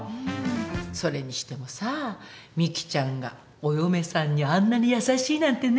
それにしてもさミキちゃんがお嫁さんにあんなに優しいなんてね。